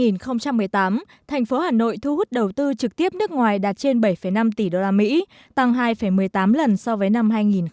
năm hai nghìn một mươi tám thành phố hà nội thu hút đầu tư trực tiếp nước ngoài đạt trên bảy năm tỷ usd tăng hai một mươi tám lần so với năm hai nghìn một mươi bảy